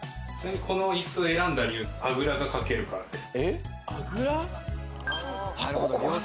このいすを選んだ理由はあぐらがかけるからです。